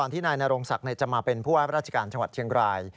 ทรงศักดิ์ในจะมาเป็นผู้ว่าราชการจังหวัดเทียงราย